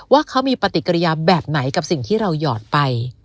ว่าเขามีปฏิกิริยาแบบไหนกับสิ่งที่เราหยอดไป